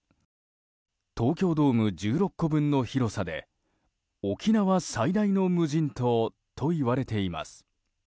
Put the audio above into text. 東京ドーム１６個分の広さで沖縄最大の無人島といわれています。